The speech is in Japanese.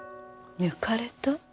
抜かれた？